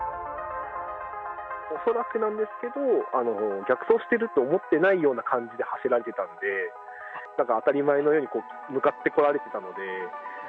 恐らくなんですけど、逆走してると思ってないような感じで走られてたんで、なんか当たり前のように向かって来られてたので。